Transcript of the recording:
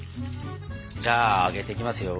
じゃああげていきますよ。